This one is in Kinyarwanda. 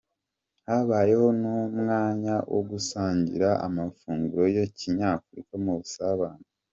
habayeho n’umwanya wo gusangira amafunguro ya kinyafurika mu busabane.